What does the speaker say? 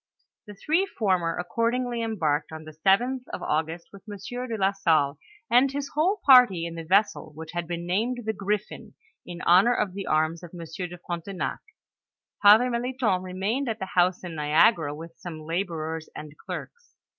The three former a( ordingly embarked on the 7th of Au gust, with Monaieur de la Salle and his whole party in the vessel, which had been named the Griffin in honor of the arms of Monsieur de Frontenac. Father Melithon remained at the house at Niagara, with some laborers and clerks.